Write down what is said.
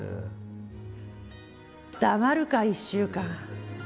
黙るかあ１週間。